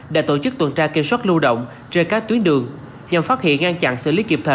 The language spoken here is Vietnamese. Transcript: đã tổ chức tuần tra kiểm soát lưu động trên các tuyến đường nhằm phát hiện ngăn chặn xử lý kịp thời